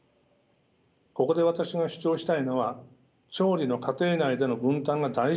ここで私が主張したいのは調理の家庭内での分担が大事だということです。